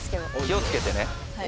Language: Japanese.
気を付けてね。